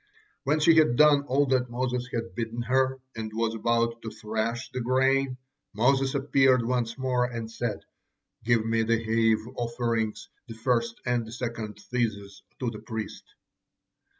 When she had done all that Moses had bidden her, and was about to thrash the grain, Moses appeared once more, and said: 'Give me the heave offerings, the first and the second tithes to the priest.'